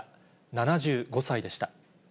７５歳でした。